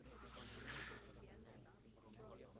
Está ubicada a al este de Belfort y fronteriza del Alto Rin.